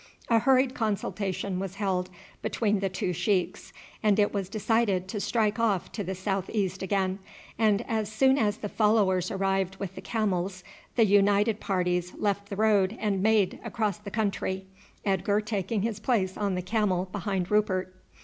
A hurried consultation was held between the two sheiks, and it was decided to strike off to the south east again, and as soon as the followers arrived with the camels the united parties left the road and made across the country, Edgar taking his place on the camel behind Rupert.